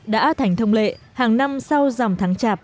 đã thành thông lệ hàng năm sau dòng tháng chạp